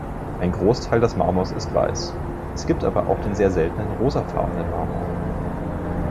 Ein Großteil des Marmors ist weiß. Es gibt aber auch den sehr seltenen rosafarbenen Marmor.